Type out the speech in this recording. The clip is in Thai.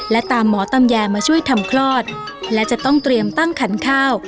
และตามหมอตำแยมาช่วยทำคลอดและจะต้องเตรียมตั้งขันข้าว